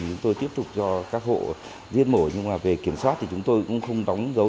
chúng tôi tiếp tục cho các hộ giết mổ nhưng mà về kiểm soát thì chúng tôi cũng không đóng dấu